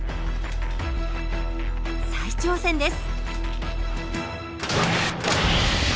再挑戦です。